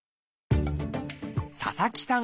佐々木さん